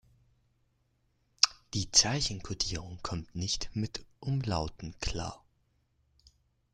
Die Zeichenkodierung kommt nicht mit Umlauten klar.